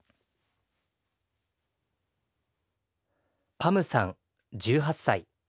ぱむさん１８歳。